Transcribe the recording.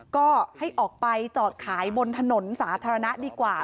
ก็ให้ออกไปจอดขายบนถนนสาธารณะดีกว่า